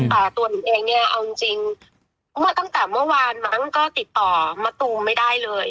แต่ตัวหนูเองเนี่ยเอาจริงเมื่อตั้งแต่เมื่อวานมั้งก็ติดต่อมะตูมไม่ได้เลย